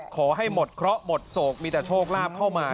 ขอให้หมดเคราะห์หมดโศกมีแต่โชคลาภเข้ามา